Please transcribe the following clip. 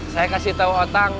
saya kasih tau otang